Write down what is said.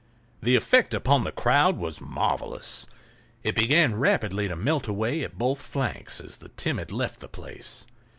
The effect upon the crowd was marvelous. It began rapidly to melt away at both flanks, as the timid left the place.